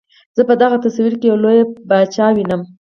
زه په دغه تصویر کې یوه لویه فاجعه وینم.